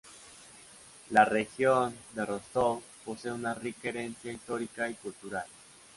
La región de Rostov posee una rica herencia histórica y cultural.